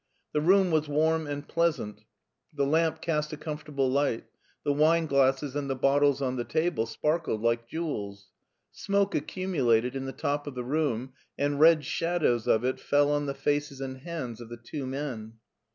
The room was warm and pleasant, the lamp cast a comfortable light, the wineglasses and the bottles on the table sparkled like jewels. Smoke accumulated in the top of the room, and red shadows of it fell on the faces and hands of the two men.